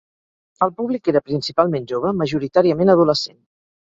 El públic era principalment jove, majoritàriament adolescent.